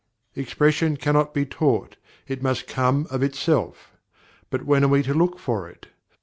"Expression cannot be taught, it must come of itself." But when are we to look for it?